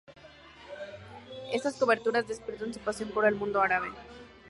Estas coberturas despiertan su pasión por el Mundo Árabe.